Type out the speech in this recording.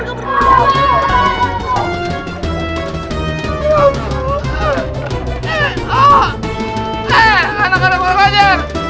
eh anak anak orang aja